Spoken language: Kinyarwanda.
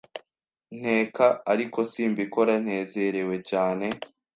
Nteka, ariko simbikora nezerewe cyane.